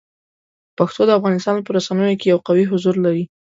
پښتو د افغانستان په رسنیو کې یو قوي حضور لري.